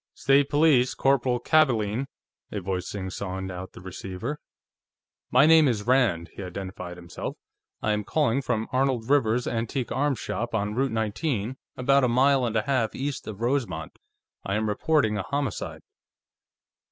"State Police, Corporal Kavaalen," a voice singsonged out of the receiver. "My name is Rand," he identified himself. "I am calling from Arnold Rivers's antique arms shop on Route 19, about a mile and a half east of Rosemont. I am reporting a homicide."